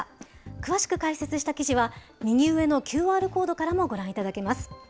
詳しく解説した記事は、右上のＱＲコードからもご覧いただけます。